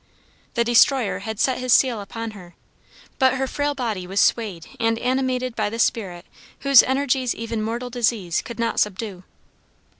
The destroyer had set his seal upon her, but her frail body was swayed and animated by the spirit whose energies even mortal disease could not subdue.